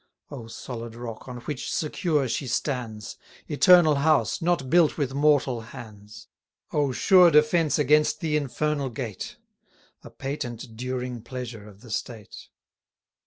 Oh, solid rock, on which secure she stands! Eternal house, not built with mortal hands! Oh, sure defence against the infernal gate, A patent during pleasure of the state!